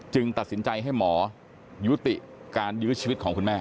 ตัดสินใจให้หมอยุติการยื้อชีวิตของคุณแม่